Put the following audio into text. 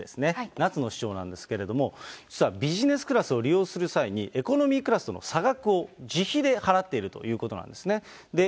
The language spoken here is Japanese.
夏野市長なんですけれども、実はビジネスクラスを利用する際に、エコノミークラスとの差額を自費で払っているということなんですね。